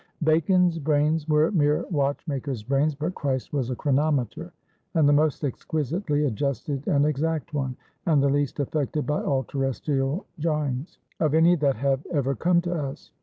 "Bacon's brains were mere watch maker's brains; but Christ was a chronometer; and the most exquisitely adjusted and exact one, and the least affected by all terrestrial jarrings, of any that have ever come to us.